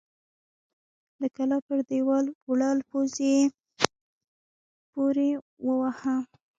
د کلا پر دېوال ولاړ پوځي يې پورې واهه!